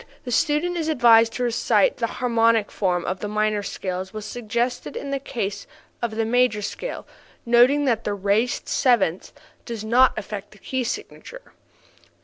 Note. The student is advised to recite the harmonic form of the minor scale as was suggested in the case of the major scale, noting that the "raised seventh" does not affect the key signature.